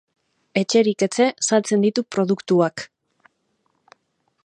Etxerik etxe saltzen ditu produktuak.